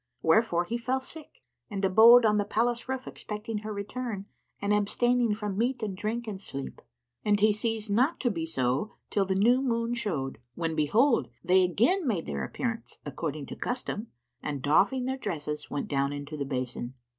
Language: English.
Wherefore he fell sick and abode on the palace roof expecting her return and abstaining from meat and drink and sleep, and he ceased not to be so till the new moon showed, when behold, they again made their appearance according to custom and doffing their dresses went down into the basin.